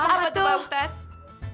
apa tuh pak ustadz